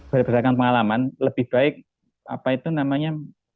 berdasarkan pengalaman lebih baik apa itu namanya